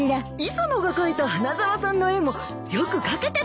磯野が描いた花沢さんの絵もよく描けてるじゃないか。